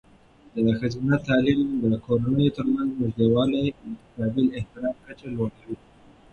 د ښځینه تعلیم د کورنیو ترمنځ نږدېوالی او د متقابل احترام کچه لوړوي.